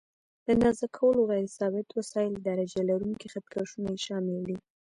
د اندازه کولو غیر ثابت وسایل: درجه لرونکي خط کشونه یې شامل دي.